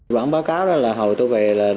bản báo cáo đó là hồi tôi về